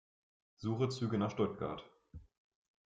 Suche Züge nach Stuttgart.